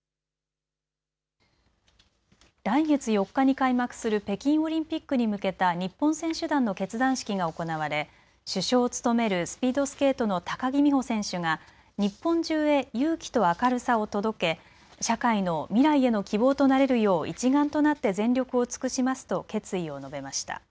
来月４日に開幕する北京オリンピックに向けた日本選手団の結団式が行われ主将を務めるスピードスケートの高木美帆選手が日本中へ勇気と明るさを届け社会の未来への希望となれるよう一丸となって全力を尽くしますと決意を述べました。